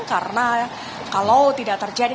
karena kalau tidak terjadi